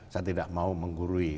saya tidak mau menggurui